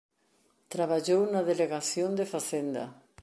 Traballou na Delegación de Facenda.